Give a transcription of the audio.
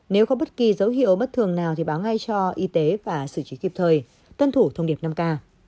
nếu có bất kỳ dấu hiệu bất thường nào thì báo ngay cho y tế và xử trí kịp thời tuân thủ thông điệp năm k